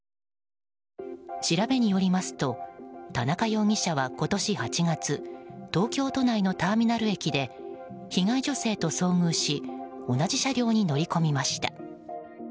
調べによりますと田中容疑者は今年８月東京都内のターミナル駅で被害女性と遭遇し同じ車両に乗り込みました。